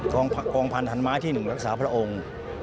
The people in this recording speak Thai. กองพันธรรม้าที่หนึ่งรักษาพระองค์